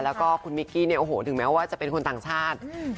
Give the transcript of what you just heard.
แล้วก็คุณมิกกี้เนี่ยโอ้โหถึงแม้ว่าจะเป็นคนต่างชาติ